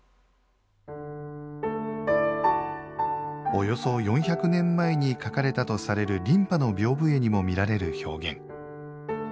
およそ４００年前に描かれたと伝わる琳派のびょうぶ絵にも見られる表現。